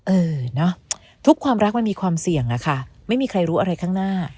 เออเนอะทุกความรักมันมีความเสี่ยงอะค่ะไม่มีใครรู้อะไรข้างหน้า